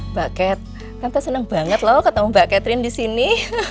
mbak cat tante senang banget loh ketemu mbak catherine di sini